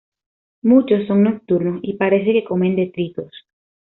Muchos son nocturnos y parece que comen detritos.